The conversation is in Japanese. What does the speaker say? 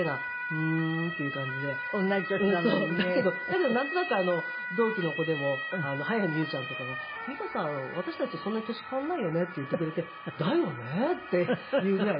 だけどなんとなく同期の子でも早見優ちゃんとかが「美歌さん私たちとそんなに年変わらないよね？」って言ってくれて「だよね？」って言うぐらいで。